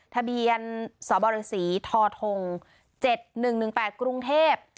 ทะเบียนสบรษีทธงเจ็ดหนึ่งหนึ่งแปดกรุงเทพ